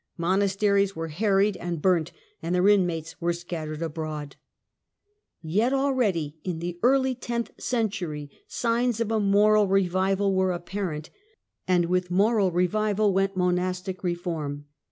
Monasteries were harried and burnt, and their inmates were scattered abroad. Yet already, in the early tenth century, signs of a Monastic moral revival were apparent, and with moral revival ciuny went monastic reform.